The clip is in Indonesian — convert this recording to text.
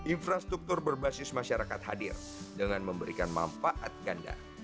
infrastruktur berbasis masyarakat hadir dengan memberikan manfaat ganda